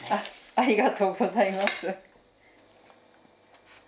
ありがとうございます。